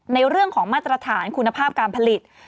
ในเรื่องของมาตรฐานคุณภาพการผลิต